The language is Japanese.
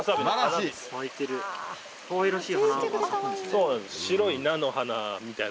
そうなんです。